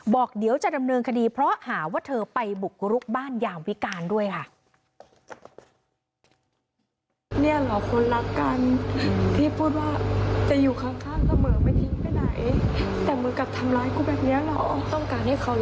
บอกเดี๋ยวจะดำเนินคดีเพราะหาว่าเธอไปบุกรุกบ้านยามวิการด้วยค่ะ